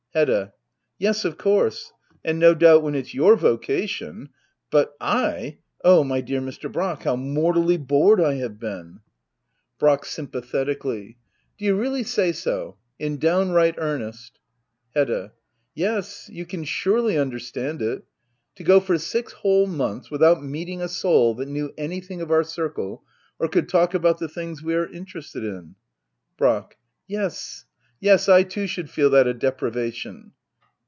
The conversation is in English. Hedda. Yes, of course ; and no doubt when it's your vocation . But // Oh, my dear Mr. Bracks how mortally bored I have been. Digitized by Google ACT II.] HEDDA OABLBR. '67 Brack. [Sympaihetically,'] Do you really say so ? In downright earnest ? Hedda Yes, you can surely understand it ! To go for six whole months without meeting a soul that knew anything of our circle, or could talk about the things we are interested in. Brack. Yes, yes — I too should feel that a deprivation.